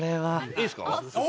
いいですか？